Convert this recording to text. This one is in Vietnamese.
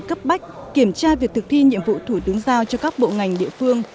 cấp bách kiểm tra việc thực thi nhiệm vụ thủ tướng giao cho các bộ ngành địa phương